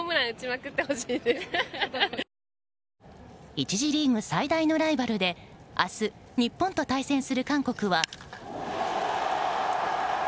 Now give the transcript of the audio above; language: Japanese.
１次リーグ最大のライバルで明日、日本と対戦する韓国は。